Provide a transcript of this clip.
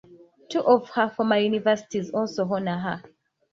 Two of her former universities also honor her.